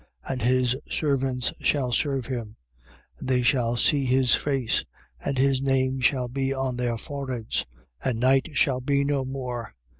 And his servants shall serve him. 22:4. And they shall see his face: and his name shall be on their foreheads. 22:5. And night shall be no more.